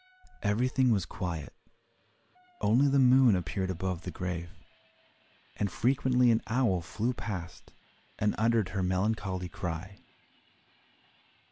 Everything was quiet, only the moon appeared above the grave, and frequently an owl flew past and uttered her melancholy cry.